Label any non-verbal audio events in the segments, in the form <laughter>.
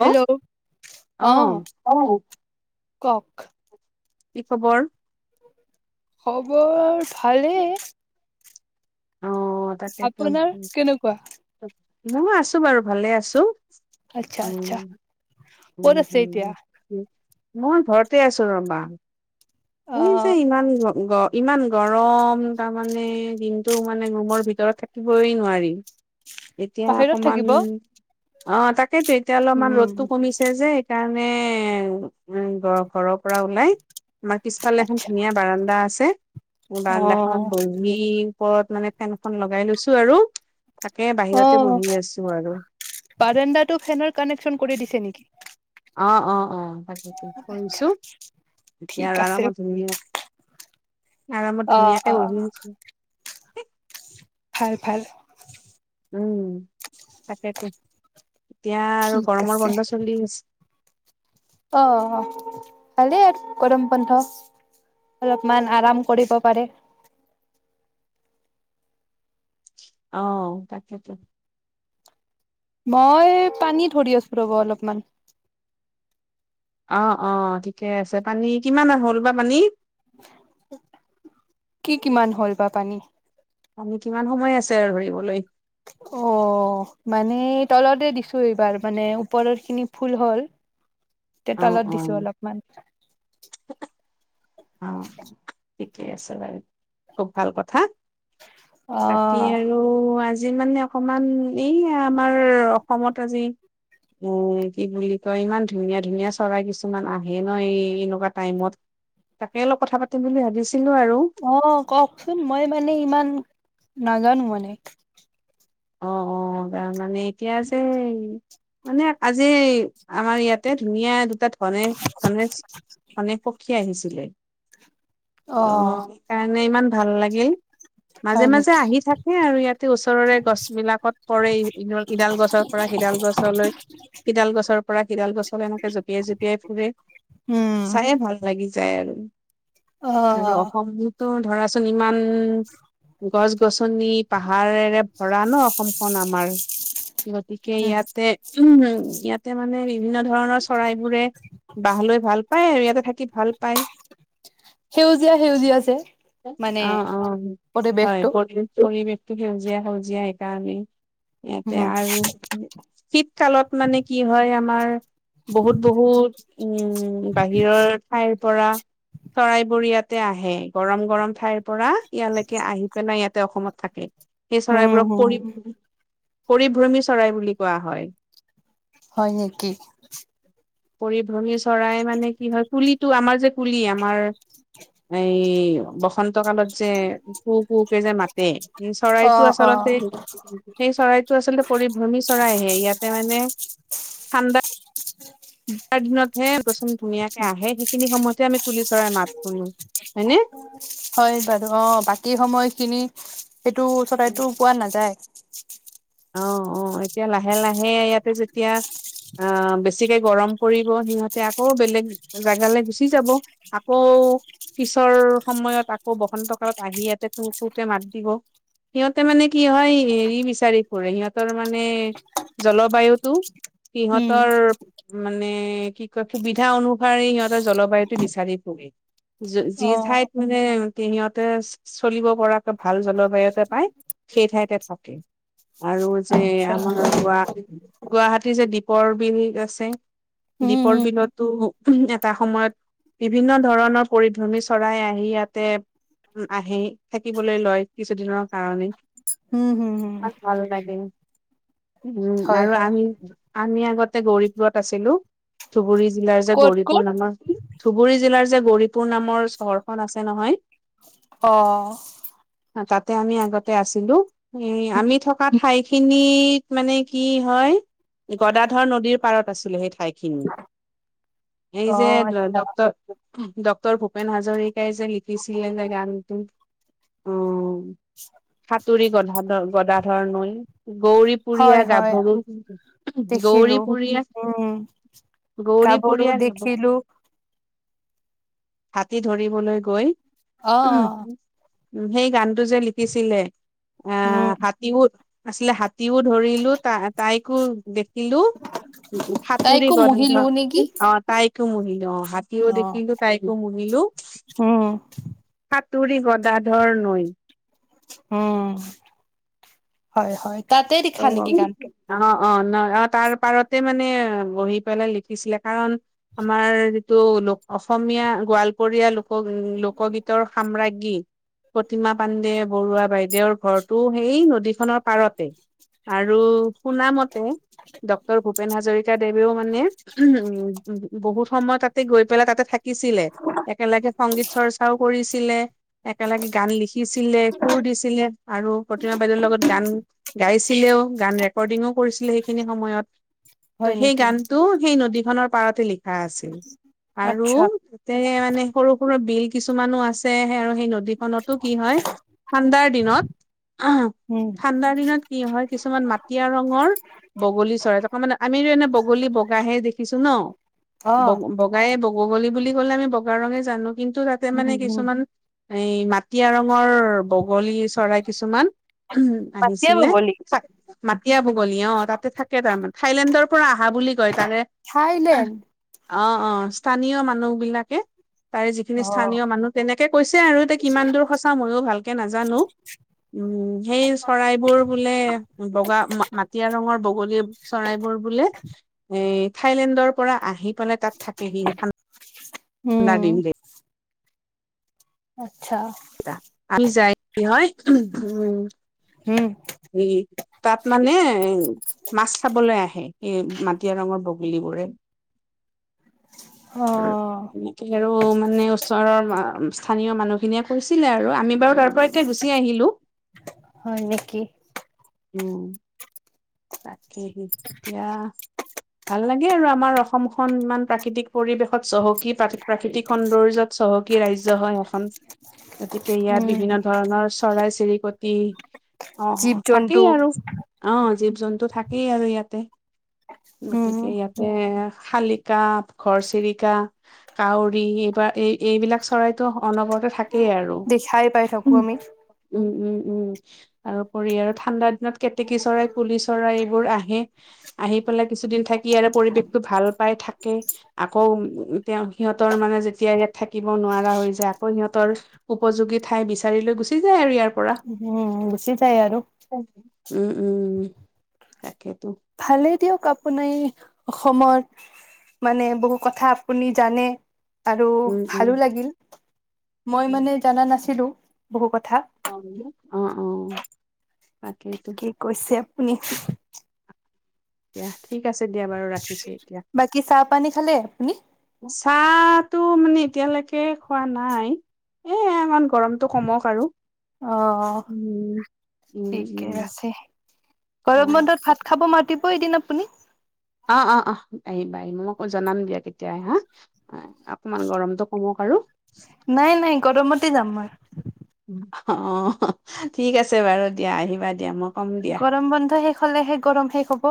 Hello, অ', কওঁক। কি খবৰ? খবৰ ভালেই অ, তাকেইটো, আপোনাৰ কেনেকুৱা মই আছোঁ বাৰু ভালে আছোঁ। আচ্ছা- আচ্ছা, ক'ত উম আছে উম এতিয়া? মই ঘৰতে আছো ৰ'বা, মোৰ যে আহ ইমান গ, ইমান গৰম তাৰমানে দিনটো মানে ৰুমৰ ভিতৰত থাকিবই নোৱাৰি। এতিয়া বাহিৰত অকমান, থাকিব অ', তাকেইেতো এতিয়া অলপমান উম ৰ'দটো কমিছে যে সেইকাৰণে মানে উম ঘ ঘৰৰ পৰা ওলাই আমাৰ পিছফালে এখন আচ্ছা ধুনীয়া বাৰাণ্ডা আছে। মোৰ অ বাৰান্দাখনত বহী, ওপৰত মানে ফেনখন লগাই লৈছো আৰু। তাকে বাহিৰতে বহি আছো, আৰু। বাৰাণ্ডাতটো, ফেনৰ কানেকশ্বন কৰি দিছে নেকি? অ' অ' অ' তাকেটো আচ্ছা কৰিছো, এতিয়া ঠিক আৰু আছে আৰামত ধুনীয়া আৰামত অ ধুনীয়াকে অ বহি আছো। ভাল, ভাল। উম, তাকেতো, এতিয়া আৰু ঠিক গৰমৰ বন্ধ চলি আছে। আহ, ভালে আৰু গৰম বন্ধ। অলপমান আৰাম কৰিব পাৰে। <inaudible> আহ, তাকেতো। মই, পানী ধৰি আছো ৰ'ব অলপমান। অ' অ', ঠিকে আছে পানী কিমান হ'ল বা পানী? কি কিমান হ'ল বা পানী? মানে, কিমান সময় আছে আৰু ধৰিবলৈ? অ' মানে, তলতে দিছো এইবাৰ মানে ওপৰৰ খিনি ফুল হ'ল। এতিয়া, অ তলত অ দিছো অলপমান। অ' ঠিকে আছে বাৰু, খুব ভাল কথা। বাকী, অ', আৰু আজি যি মানে অকমান, এই আমাৰ অসমত আজি উম, কি বুলি কয় ইমান ধুনীয়া ধুনীয়া চৰাই কিছুমান আহে ন এই এনেকুৱা টাইমত। তাকে অলপ কথা পাতিম বুলি ভাবিছোঁ। অ' কওঁকচোন মই মানে ইমান নাজানো মানে। অ' অ' তাৰ মানে এতিয়া যে মানে আজি আমাৰ ইয়াতে ধুনীয়া দুটা ধনে ধনেশ ধনেশ পক্ষী আহিছিলে। অ' সেইকাৰণে ইমান ভাল লাগিল। মাজে হয় মাজে নেকি আহি থাকে আৰু ইয়াতে ওচৰৰে গছ কত পৰে ইডাল গছৰ পৰা সিডাল গছলৈ। ইডাল গছৰ পৰা সিডাল গছত এনেকে জঁপিয়াই জঁপিয়াই ফুৰে, উম, চায়ে ভাল লাগি যায়। আৰু অ', অসমতো ধৰাচোন ইমান, গছ গছ গচনি, পাহাৰেৰে ভৰা ন অসমখন আমাৰ। গতিকে উম। ইয়াতে উ ইয়াতে মানে বিভিন্ন ধৰণৰ চৰাইবোৰে বাঁহ লৈ ভাল পায় আৰু ইয়াতে থাকি ভাল পায়। সেউজীয়া সেউজীয়া যে মানে, অ অ হয় পৰিৱেশটো। পৰি পৰিৱেশটো সেউজীয়া সেউজীয়া সেইকাৰণে। ইয়াতে উম, আৰু শীত কালত মানে কি হয় আমাৰ বহুত বহুত উম বাহিৰৰ ঠাই পৰা, চৰাইবোৰ ইয়াতে আহে গৰম গৰম ঠাইৰ পৰা ইয়ালৈকে আহি পেলাই ইয়াত অসমত থাকে, সেই উম, চৰাইবোৰক উম। পৰি পৰিভ্ৰমী চৰাই বুলি কোৱা হয়। হয় নেকি? পৰিভ্ৰমী চৰাই মানে কি হয় কুলিটো আমাৰ যে কুলি আমাৰ, এই বসন্ত কালত যে কু কো কে যে মাতে চৰাই অ', অ', আচলতে, সেই চৰাইটো আচলতে পৰিভ্ৰমী চৰাইহে, ইয়াতে মানে <unintelligible> ৰ দিনতহে বচন ধুনীয়াকে আহে সেইখিনি সময়তে আমি কুলি চৰাই মাত শুনো। হয়নে? হয় বাৰু অ' বাকী সময়খিনি সেইটো চৰাইটো পোৱা নাযায়। অ', অ', এতিয়া লাহে, লাহে, ইয়াতে যেতিয়া আহ বেছিকে গৰম পৰিব সিহঁতে আকৌ বেলেগ জোগালৈ গুচি যাব। আকৌ পিছৰ সময়ত আকৌ বসন্ত কালত আহি ইয়াতে তুৰ তুৰকে মাত দিব। সিহঁতে মানে কি হয় হেৰি বিচাৰি সিহঁতৰ মানে জলৱায়ুতো উম, সিহঁতৰ মানে কি কয় সুবিধা অনুসাৰে সিহঁতৰ জলবায়ুটো বিচাৰি পোৱা। <inaudible> যি অ', ঠাইত মানে সিহঁতে চলিব পৰাকে ভাল জলবায়ু এটা পায়। সেই ঠাইতে থাকে। আৰু যে আচ্ছা আমাৰ গ, গুৱাহাটী যে দ্বীপৰ বিল আছে। উম, দ্বীপৰ উম, বিলততো এটা সময়ত বিভিন্ন ধৰণৰ পৰিভ্ৰমী চৰাই আহি ইয়াতে। আহি থাকিবলৈ লয় কিছুদিনৰ কাৰণেই। হুম, হুম, হুম। ভাল লাগে, উম, হয়, আৰু হয়। আমি, আমি আগত তে, গৌৰীপুৰত আছিলোঁ, ধুবুৰী জিলাৰ যে ক'ত গৌৰীপুৰ ক'ত? নামৰ ধুবুৰী জিলাৰ যে গৌৰীপুৰ পুৰ নামৰ চহৰখন আছে নহয়। অ', তাতে আমি আগতে আছিলোঁ এই আমি থকা ঠাইখিনিত মানে কি হয়? গদাধৰ নদীৰ পাৰত আছিল সেই ঠাইখিনি এই যে, অ', আচ্ছা ডক্ট, ডক্টৰ ভূপেন হাজৰিকাই যে লিখিছিলে যে গানটো অ, সাতুৰি গদাধৰ গদা ধৰণই গৌৰী পুৰীয়া, হয় হয় গাভৰু গৌৰী দেখিলো। পুৰীয়া। উম, গাভৰু গৌৰীপুৰীয়াৰ নত দেখিলো। হাতী ধৰিবলৈ গৈ। অ', অ'। উ, সেই গানটো যে লিখিছিলে। আহ উম। হাতীও আছিলে, হাতীও ধৰিলো তাই তাইকো কিলো, ফাতুৰি তাইকো গন্ধ মহিলো নেকি? অ, তাইকো মুহিলো অ'। হাতীও অ', দেখিলো তাইকো মুুনিলো। উম, তুৰিব দাধৰ নৈ উম, হয়, হয় তাতে অ লিখা নেকি গানটো। অ অ, ন, অ, তাৰ পাৰতে মানে বহি পেলাই লিখিছিলে কাৰণ আমাৰ তটো, লোক অসমীয়া গোৱালপৰীয়া লোক। উ, লোকগীতৰ সাম্ৰাজ্ঞী প্ৰতিমা পাণ্ডে বৰুৱা বাইদে দেৰ ঘৰটো সেই নদীখনৰ পাৰতে আৰু সুনামতে। ড্ক্তৰ ভূপেন হাজৰিকাদেৱেও মানে উ, বহুত সময় তাতে গৈ পেলাই তাতে থাক। শিকিছিলে, একেলগে সংগীত চৰ্চাও কৰিছিল। ছিলে একেলগে গান লিখিছিলে। সুৰ দিছিলে আৰু প্ৰতিমা বাইদেউৰ লগত গান গাইছিলেও গান, ৰেকৰ্ডিঙো কৰিছিলে, সেইখিনি সময়ত। ত, হয় সেই নেকি? গানটো সেই নদীখনৰ পাৰতে লিখা আছিল। আৰু আচ্ছা, তে মানে সৰু, সৰু বিল কিছুমানো আছে আৰু সেই নদী খনতো কি হয়, ঠাণ্ডাৰ দিনত, উম, ঠাণ্ডাৰ দিনত কি হয়, কিছুমান মাটিয় ৰঙৰ। বগলী চৰাইতকা মানে আমিতো এনে বগলী, বগাহে দেখিছো ন। বগ, অ', বগাই, বগ, বলী, বুলি কলে আমি বগাৰ ৰঙে জানো। কিন্তু তাতে উম, মানে উম, কিছুমান এই মাটিয় ৰঙৰ বগলী চৰাই কিছুমান উম, পাতিয়া আহিছিলে। বগলী। মতিয়া ব গ'লি অ' তাতে থাকে তাৰমানে থাইলেণ্ডৰপৰা আহা বুলি কয় তাৰে থাইলেণ্ড। অ', অ' স্থানীয় মানুহবিলাকে তাৰ যিখিনি অ', স্থানীয় মানুহ তেনেকে কৈছে আৰু এতিয়া কিমান দূৰ সঁচা ময়ো ভালকে নাজানো। উ, সেই চৰাইবোৰ বোলে বগা মাটিয় ৰঙৰ বগলী চৰাইবোৰ বোলে এ থাইলেণ্ডৰপৰা আহি পেলাই তাত থাকে সি ঠাণ্ডা উম, দেৱীৰে আছা। আ, যায় কি হয় উ, উম, ই তাত মানে মাছ চাবলৈ আহে এই মাটিয়া ৰঙৰ বগলী পৰে অ', এনেকে আৰু মানে ওচৰৰ স্থানীয় মানুহখিনিয়ে কৈছিলে আৰু আমি বাৰু তাৰ পৰা এ, গুচি আহিলোঁ। হয় নেকি? উম, তাকেই এতিয়া ভাল লাগে আৰু আমাৰ অসমখন ইমান প্ৰাকৃতিক পৰিৱেশত চহকী প্ৰাকৃ প্ৰাকৃতিক সৌন্দৰ্যত চহকী ৰাজ্য হয় এখন। গতিকে ইয়াত উম, বিভিন্ন ধৰণৰ চৰাই চিৰিকটি জীৱ জন্তু সেয়া আৰু অ' জীৱ জন্তু থাকেই আৰু ইয়াতে। উম, গতিকে ইয়াতে শালিকা, ঘৰচিৰিকা, কাউৰী এইবাৰ এই-এইবিলাক চৰাইতটো অনবৰতে থাকে। থাকেই আৰু। দেখাই পাই উ, থাকো আমি। উম, উম, তাৰপৰি আৰু ঠাণ্ডা দিনত কেতেকী চৰাই, কুলি চৰাই এইবোৰ আহে আহি পেলাই কিছুদিন থাকি আৰু পৰিৱেশতো ভাল পাই থাকে আকৌ তেওঁ সিহঁতৰ মানে যেতিয়া ইয়াত থাকিব নোৱাৰা হৈ যায় আকৌ সিহঁতৰ উপযোগী ঠাই বিচাৰি লৈ গুচি যায় আৰু ইয়াৰ পৰা। উ, গুচি যায় আৰু। উম, উম, উ, তাকেইতো। ভালেই দিয়ক আপোনাৰ এই অসমত মানে বহু কথা আপুনি জানে। আৰু উম, উম। ভালো লাগিল। মই মানে জানা নাছিলো বহু কথা। অ', অ'। তাকেইতো ঠিকে কৈছে আপুনি। দিয়া ঠিক আছে, দিয়া বাৰু ৰাখিছোঁ এতিয়া। বাকী চাহ পানী খালে আপুনি চাহ টো মানে এতিয়ালৈকে খোৱা নাই এ, ইমান গৰমটো কমক আৰু। অ উ, উ, ঠিকে উ। আছে গৰম বন্ধত ভাত খাব মাতিব এদিন আপুনি। অ', অ', অ' আহিবা, ম়ই জনাম দিয়া কেতিয়া হা। অকমান গৰমটো কমক আৰু। নাই নাই গৰমতে যাম মই অ' ঠিক আছে বাৰু দিয়া, আহিবা দিয়া মোক গৰম বন্ধ শেষ হ'লেহে গৰম শেষ হব।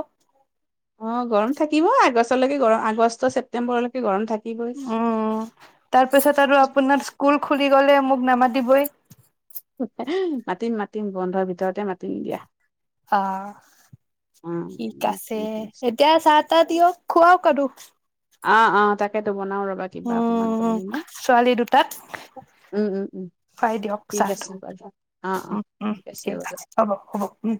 অ', গৰম থাকিব আগষ্টলৈকে গৰম, আগষ্ট ছেপ্তেম্বৰলৈকে গৰম থাক অ' তাৰপিছত আৰু আপোনাৰ স্কুল খু থাকি গ'লে মোক নামাতিবই। মাতিম মাতিম, বন্ধৰ ভিতৰতে মাতিম দিয়া। অ'। অ ঠিক আছে। এতিয়া চাহ তাহ দিয়ক খুৱওক আৰু। অ', অ' তাকেতো বনাও ৰবা, কিবা অকমান উম বনা ন'। ছোৱালী দুটাত উম, উম, উম। খুৱাই দিয়ক ঠিক চাহটো আছে বাৰু। অ', অ' উম উম ঠিক আছে বাৰু। হ'ব হ'ব উম